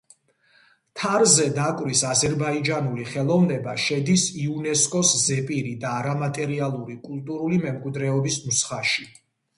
თარზე დაკვრის აზერბაიჯანული ხელოვნება შედის იუნესკოს ზეპირი და არამატერიალური კულტურული მემკვიდრეობის ნუსხაში.